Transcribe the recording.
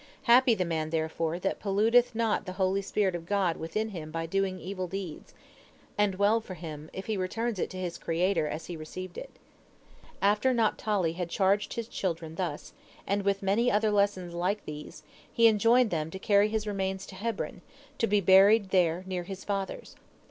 Happy the man, therefore, that polluteth not the holy spirit of God within him by doing evil deeds, and well for him if he returns it to his Creator as he received it." After Naphtali had charged his children thus, and with many other lessons like these, he enjoined them to carry his remains to Hebron, to be buried there near his fathers.